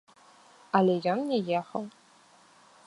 Але ён не ехаў.